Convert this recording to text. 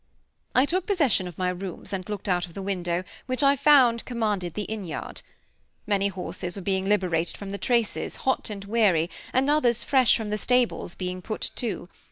I took possession of my rooms, and looked out of the window, which I found commanded the inn yard. Many horses were being liberated from the traces, hot and weary, and others fresh from the stables being put to.